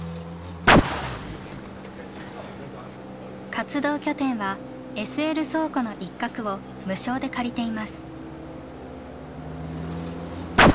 活動拠点はＳＬ倉庫の一角を無償で借りています。